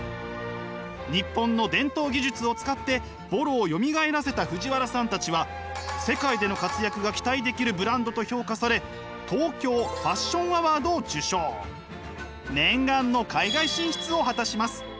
日本の伝統技術を使って襤褸をよみがえらせた藤原さんたちは世界での活躍が期待できるブランドと評価され念願の海外進出を果たします。